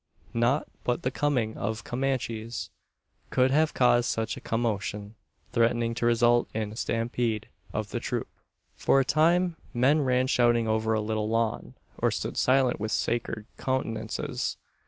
Nought but the coming of Comanches could have caused such a commotion threatening to result in a stampede of the troop! For a time men ran shouting over the little lawn, or stood silent with scared countenances.